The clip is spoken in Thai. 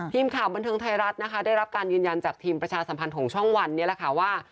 ทีมข่าวบันเทิงไทยรัฐนะคะได้รับการยืนยันจากทีมประชาสัมพันธ์ของช่องวันนี้แหละค่ะว่า